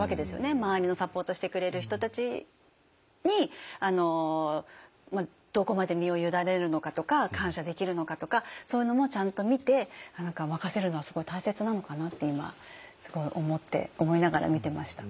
周りのサポートしてくれる人たちにどこまで身を委ねるのかとか感謝できるのかとかそういうのもちゃんと見て任せるのはすごい大切なのかなって今思いながら見てました。